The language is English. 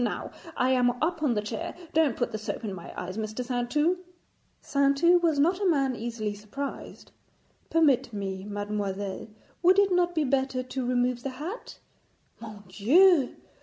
Now, I am up on the chair. Don't put the soap in my eyes, Mr. Saintou.' Saintou was not a man easily surprised. 'Permit me, mademoiselle, would it not be better to remove the hat? Mon Dieu!